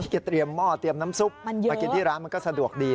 เออมันเยอะมากินที่ร้านมันก็สะดวกดีมากินที่ร้านมันก็สะดวกดี